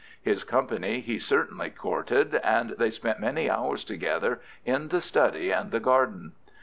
His company he certainly courted, and they spent many hours together in the study and the garden.